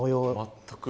全く。